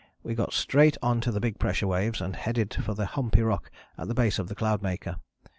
We got straight on to the big pressure waves, and headed for the humpy rock at the base of the Cloudmaker.